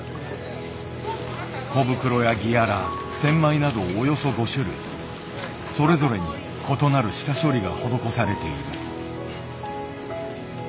コブクロやギアラセンマイなどおよそ５種類それぞれに異なる下処理が施されている。